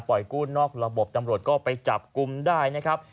กู้นอกระบบตำรวจก็ไปจับกลุ่มได้นะครับ